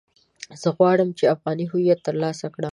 زه غواړم چې افغاني هويت ترلاسه کړم.